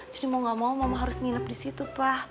jadi mau ga mau mama harus nginep disitu pa